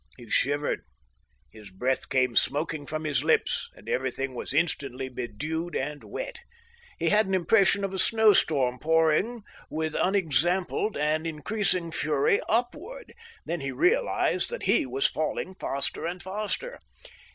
He shivered. His breath came smoking from his lips, and everything was instantly bedewed and wet. He had an impression of a snowstorm pouring with unexampled and increasing fury UPWARD; then he realised that he was falling faster and faster.